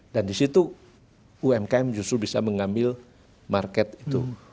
dan di situ umkm justru bisa mengambil market itu